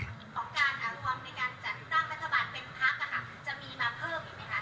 ออกการอารมณ์ในการจัดร่างประธาบาลเป็นพักจะมีมาเพิ่มไหมคะ